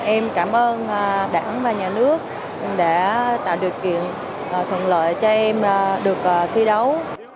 em cảm ơn đảng và nhà nước đã tạo điều kiện thuận lợi cho em được thi đấu